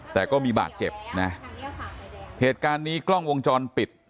แต่ก็มีบาดเจ็บนะเหตุการณ์นี้กล้องวงจรปิด